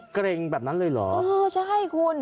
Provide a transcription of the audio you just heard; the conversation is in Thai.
เกร็งแบบนั้นเลยเหรอเออใช่คุณ